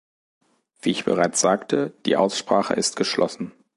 Wie ich bereits sagte, die Aussprache ist geschlossen.